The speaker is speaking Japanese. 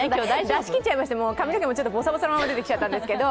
出し切っちゃいまして髪の毛もボサボサのまま出てきちゃったんですけど。